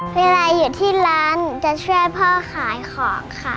เวลาอยู่ที่ร้านหนูจะช่วยพ่อขายของค่ะ